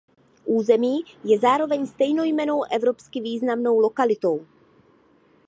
Území je zároveň stejnojmennou evropsky významnou lokalitou.